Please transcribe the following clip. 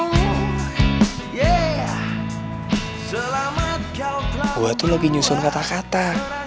gue tuh lagi nyusun kata kata